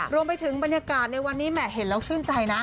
บรรยากาศในวันนี้แหม่เห็นแล้วชื่นใจนะ